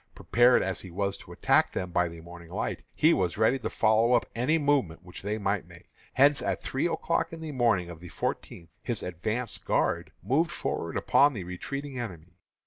Prepared as he was to attack them by the morning light, he was ready to follow up any movement which they might make. Hence, at three o'clock in the morning of the fourteenth, his advance guard moved forward upon the retiring enemy.